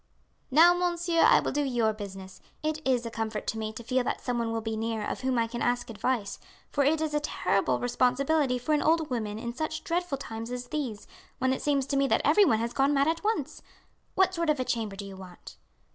"Now, monsieur, I will do your business. It is a comfort to me to feel that some one will be near of whom I can ask advice, for it is a terrible responsibility for an old woman in such dreadful times as these, when it seems to me that everyone has gone mad at once. What sort of a chamber do you want?"